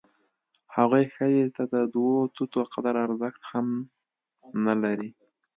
هغوی ښځې ته د دوه توتو قدر ارزښت هم نه لري.